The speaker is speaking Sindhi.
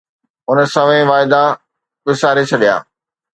هن سوين واعدا وساري ڇڏيا